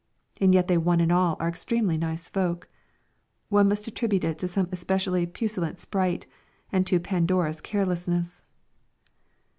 And yet they one and all are extremely nice folk. One must attribute it to some especially puissant sprite and to Pandora's carelessness!